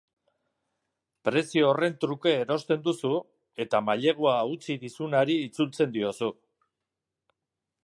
Prezio horren truke erosten duzu eta mailegua utzi dizunari itzultzen diozu.